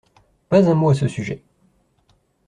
Pas un mot à ce sujet.